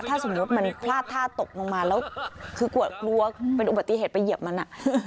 ถ้าสมมุติมันพลาดท่าตกลงมาแล้วคือกลัวกลัวเป็นอุบัติเหตุไปเหยียบมันอ่ะ